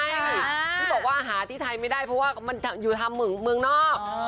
ที่บอกว่าหาที่ไทยไม่ได้เพราะว่ามันอยู่ทำเมืองนอก